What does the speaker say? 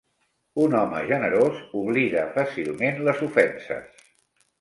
Un home generós oblida fàcilment les ofenses.